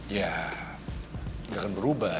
ya gak akan berubah